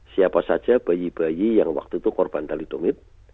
siapa saja bayi bayi yang waktu itu korban talitomid